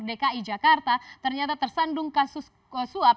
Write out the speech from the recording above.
dki jakarta ternyata tersandung kasus suap